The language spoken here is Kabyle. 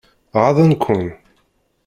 Ɣaḍen-ken?